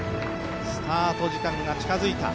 スタート時間が近づいた。